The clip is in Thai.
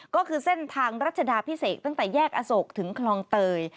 ก็คือเส้นทางรัชดาพิเศษตั้งแต่แยกอโศกถึงคลองเตย